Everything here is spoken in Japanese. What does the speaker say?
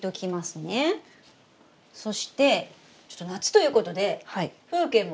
そしてちょっと夏ということで風景も。